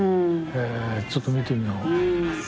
へえちょっと見てみよう。